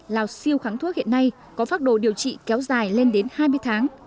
lào siêu kháng thuốc hiện nay có phác đồ điều trị kéo dài lên đến hai mươi tháng